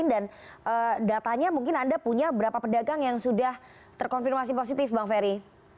dan datanya mungkin anda punya berapa pedagang yang sudah terkonfirmasi positif bang ferry